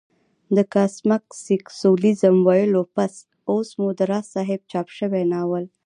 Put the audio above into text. د کاسمک سېکسوليزم ويلو پس اوس مو د راز صاحب چاپ شوى ناول